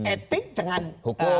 etik dengan hukum